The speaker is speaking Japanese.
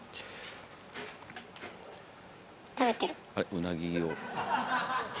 うなぎを。